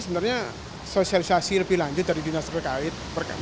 sebenarnya sosialisasi lebih lanjut dari dinas terkait